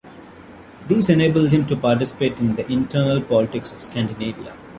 These enabled him to participate in the internal politics of Scandinavia.